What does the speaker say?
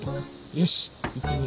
よしいってみよう。